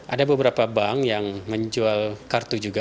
ada beberapa bank yang menjual kartu juga